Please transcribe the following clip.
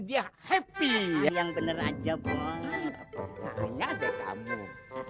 dia happy yang bener aja bohong